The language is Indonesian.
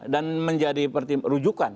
dan menjadi rujukan